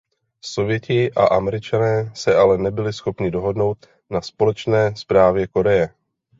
Sověti a Američané se ale nebyli schopni dohodnout na společné správě Koreje.